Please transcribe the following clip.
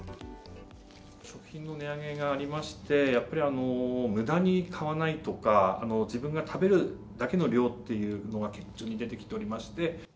食品の値上げがありまして、やっぱりむだに買わないとか、自分が食べるだけの量っていうのが顕著に出てきておりまして。